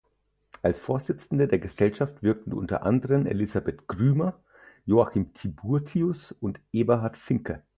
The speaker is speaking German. Als Vorsitzende der Gesellschaft wirkten unter anderen Elisabeth Grümmer, Joachim Tiburtius und Eberhard Finke.